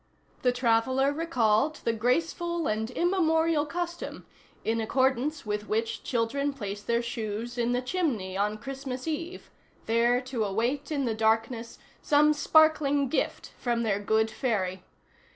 The traveller recalled the graceful and immemorial custom in accordance with which children place their shoes in the chimney on Christmas eve, there to await in the darkness some sparkling gift from their good fairy.